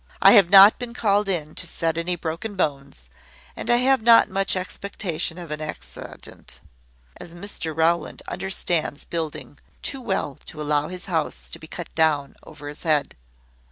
I have not been called in to set any broken bones; and I have not much expectation of an accident, as Mr Rowland understands building too well to allow his house to be cut down over his head.